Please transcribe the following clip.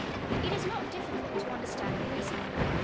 It is not difticult to understand the reason.